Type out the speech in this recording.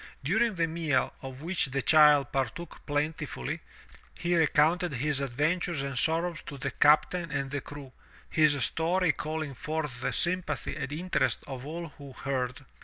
During the meal, of which the child partook plentifully, he recounted his adventures and sorrows to the captain and the crew, his story calling forth the sympathy and interest of all who heard.